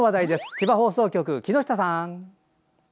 千葉放送局の木下さん。